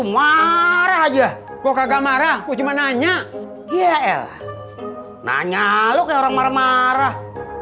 marah aja gua kagak marah cuma nanya iya elah nanya lu ke orang marah marah